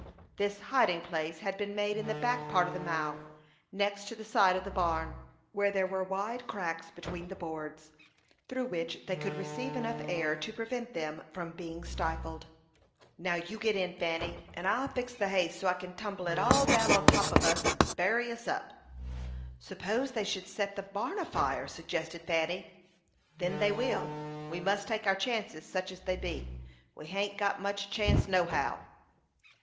This hiding place had been made in the back part of the mow, next to the side of the barn, where there were wide cracks between the boards, through which they could receive air enough to prevent them from being stifled. "Now, you get in, Fanny, and I'll fix the hay so I kin tumble it all down on top on us, and bury us up." "Suppose they should set the barn afire," suggested Fanny. "Then they will; we must take our chances, such as they be. We hain't got much chance nohow."